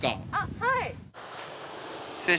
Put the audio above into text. はい。